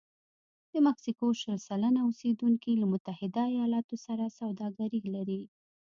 د مکسیکو شل سلنه اوسېدونکي له متحده ایالتونو سره سوداګري لري.